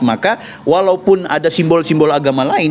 maka walaupun ada simbol simbol agama lain